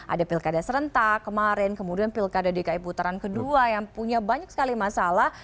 ada pilkada serentak kemarin kemudian pilkada dki putaran kedua yang punya banyak sekali masalah